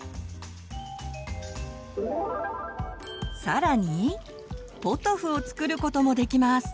さらにポトフを作ることもできます。